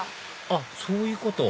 あっそういうこと？